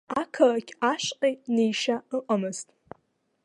Ақалақь ашҟа неишьа ыҟамызт.